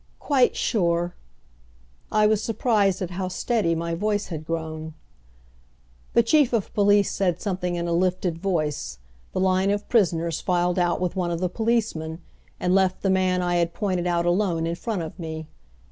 "Quite sure." I was surprised at how steady; my voice had grown. The Chief of Police said something in a lifted voice, the line of prisoners filed out with one of the policemen, and left the man I had pointed out alone in front of me.